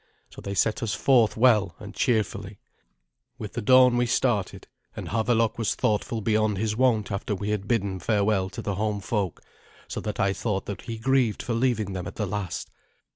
So they set us forth well and cheerfully. With the dawn we started, and Havelok was thoughtful beyond his wont after we had bidden farewell to the home folk, so that I thought that he grieved for leaving them at the last.